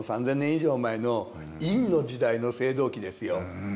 以上前の殷の時代の青銅器ですよ。